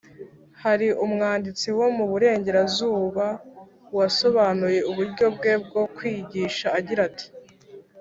hari umwanditsi wo mu burengerazuba wasobanuye uburyo bwe bwo kwigisha agira ati